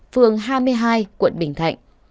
phường hai mươi hai quận bình thạnh